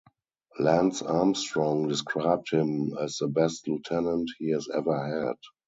Lance Armstrong described him as the best lieutenant he has ever had.